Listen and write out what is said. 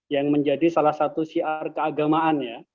yang menjadi salah satu siar keagamaan ya